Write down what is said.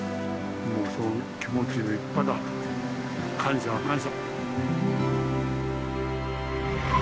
もうそういう気持ちでいっぱいだ。感謝感謝。